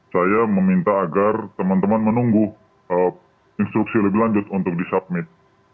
saya meminta agar teman teman menunggu instruksi lebih lanjut untuk disubmit